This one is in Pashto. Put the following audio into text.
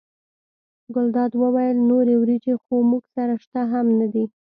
ګلداد وویل نورې وریجې خو موږ سره شته هم نه دي.